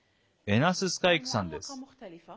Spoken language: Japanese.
エナス・スカイクさんです。